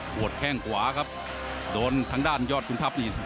หัวแข้งขวาครับโดนทางด้านยอดขุนทัพนี่